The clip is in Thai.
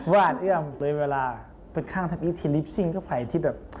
วาดเอื้อมเลยเวลาเป็นข้างที่ที่ริปชิงก็ไหลที่แบบ